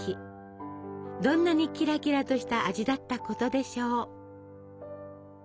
どんなにキラキラとした味だったことでしょう！